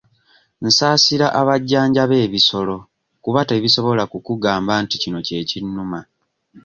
Nsaasira abajjanjaba ebisolo kuba tebisobola kubagamba nti kino kye kinnuma.